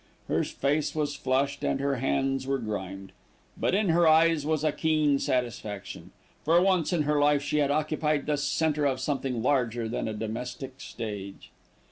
Her face was flushed, and her hands were grimed; but in her eyes was a keen satisfaction. For once in her life she had occupied the centre of something larger than a domestic stage.